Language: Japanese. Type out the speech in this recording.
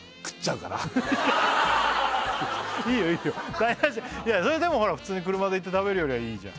台無しそれでも普通に車で行って食べるよりはいいじゃん